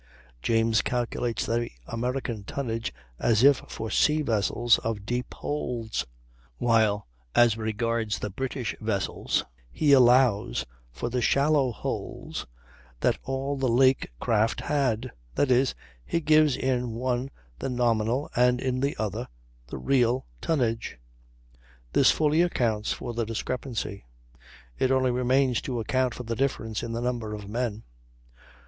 James calculates the American tonnage as if for sea vessels of deep holds, while, as regards the British vessels, he allows for the shallow holds that all the lake craft had; that is, he gives in one the nominal, in the other the real, tonnage. This fully accounts for the discrepancy. It only remains to account for the difference in the number of men.